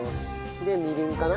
でみりんかな。